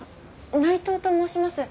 内藤と申します。